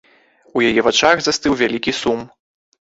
У яе вачах застыў вялікі сум.